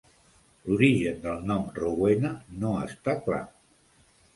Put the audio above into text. L'origen del nom "Rowena" no està clar.